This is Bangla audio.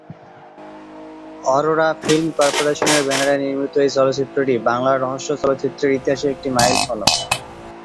অরোরা ফিল্ম কর্পোরেশনের ব্যানারে নির্মিত এই চলচ্চিত্রটি বাংলা রহস্য চলচ্চিত্রের ইতিহাসে একটি মাইলফলক।